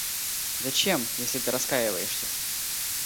Зачем, если ты раскаиваешься?